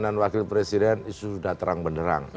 dan wakil presiden sudah terang benerang